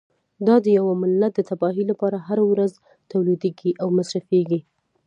دا د یوه ملت د تباهۍ لپاره هره ورځ تولیدیږي او مصرفیږي.